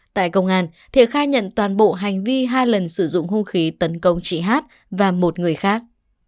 tại công an thiện khai nhận toàn bộ hành vi hai lần sử dụng hung khí tấn công chị hát và một người khác